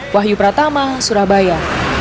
wahyu pratama surabaya